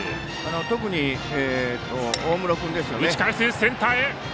特に大室君ですよね。